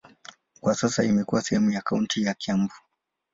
Kwa sasa imekuwa sehemu ya kaunti ya Kiambu.